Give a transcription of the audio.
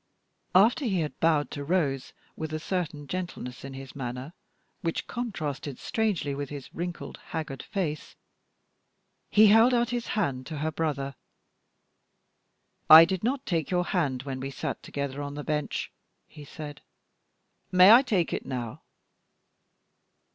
After he had bowed to Rose with a certain gentleness in his manner, which contrasted strangely with his wrinkled, haggard face, he held out his hand to her brother "I did not take your hand when we sat together on the bench," he said; "may I take it now?"